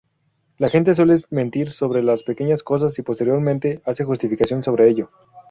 La gente suele mentir sobre las pequeñas cosas y posteriormente hace justificaciones sobre ello.